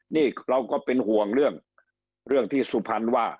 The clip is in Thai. นี่เราก็เป็นห่วงเรื่องที่สุพรรณว่า